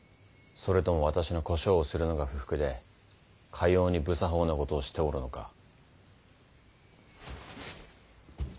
それとも私の小姓をするのが不服でかように不作法なことをしておるのか。